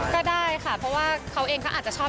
ก็ได้ค่ะเพราะว่าเขาเองก็อาจจะชอบ